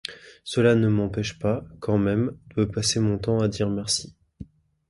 Cela ne m’empêche pas, quand même, de passer mon temps à dire merci.